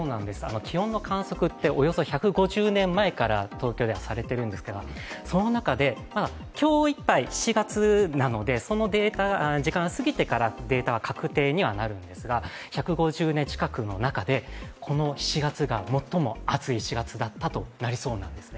気温の観測って、およそ１５０年前から東京ではされているんですが、その中で、今日いっぱい、７月なのでその時間過ぎてからデータは確定になるんですが１５０年近くの中でこの７月が最も暑い７月だったとなりそうなんですね